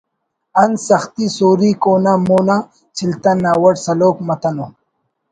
انت سختی سوریک اونا مون آ چلتن نا وڑ سلوک متنو